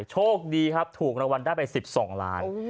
โชคดีครับถูกรางวัลได้ไป๑๒ล้าน